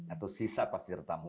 atau sisa pasir tambang